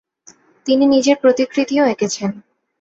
তিনি নিজের প্রতিকৃতিও এঁকেছেন।